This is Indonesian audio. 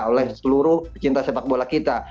oleh seluruh pecinta sepak bola kita